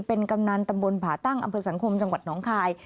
เป็นกำนันตำบลผ่าตั้งอำเภอสังคมจังหวัดน้องคาย